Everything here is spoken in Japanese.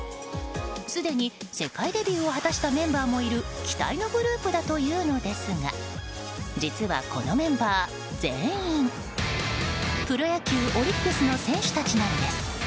すでに世界デビューも果たしたメンバーもいる期待のグループだというのですが実はこのメンバー全員プロ野球オリックスの選手たちなんです。